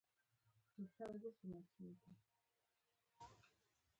ښوونکی هره ورځ په ټولګي کې زده کوونکو ته درس ورکوي